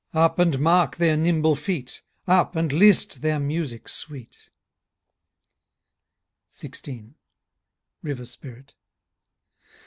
Up, and mark their nimble feet ! Up, and list their music sweet I" — XVI. RIVBR SPIRIT.